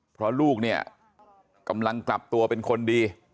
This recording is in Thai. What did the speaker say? เพราะลูกเนี่ยกำลังกลับตัวเป็นคนดี